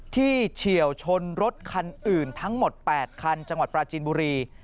เฉียวชนรถคันอื่นทั้งหมด๘คันจังหวัดปราจินบุรี